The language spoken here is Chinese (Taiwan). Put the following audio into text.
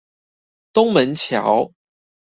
東門橋